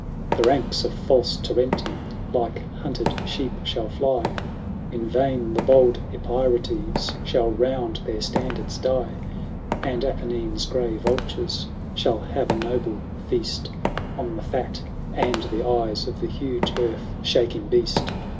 XXV. " The ranks of false Tarentum Like hunted sheep shall fly : In vain the bold Epirotes Shall round their standards die ; And Apennine's grey vultures Shall have a noble feast On the fat and the eyes Of the huge earth shaking beast.